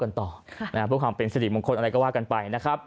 ช่วงการมาความสะดวกขนอะไรก็ว่ากันไป